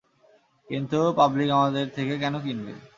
কিন্তু পাবলিক আমাদের থেকে কেন কিনবে?